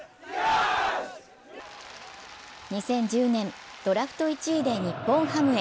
２０１０年、ドラフト１位で日本ハムへ。